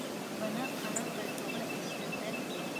Бына ҡара пальтоға эшләпә